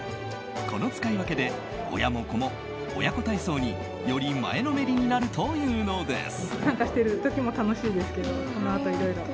この使い分けで親も子も親子体操により前のめりになるというのです。